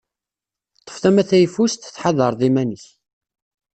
Ṭṭef tama tayfust, tḥadreḍ iman-ik.